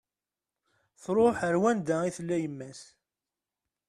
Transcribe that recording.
Truḥ ar wanda i tella yemma-s